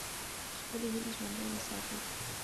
خپلې هیلې ژوندۍ وساتئ.